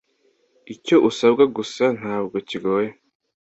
Icyo usabwa gusa ntabwo kigoye